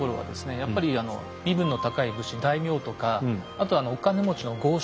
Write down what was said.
やっぱり身分の高い武士大名とかあとはお金持ちの豪商